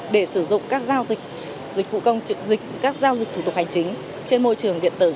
để sử dụng các giao dịch vụ công trực dịch các giao dịch thủ tục hành chính trên môi trường điện tử